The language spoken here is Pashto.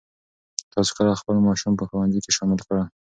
تاسو کله خپل ماشومان په ښوونځي کې شامل کړل؟